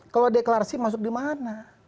kalau deklarasi masuk dimana